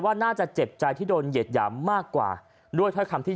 น่าจะเจ็บใจที่โดนเหยียดหยามมากกว่าด้วยถ้อยคำที่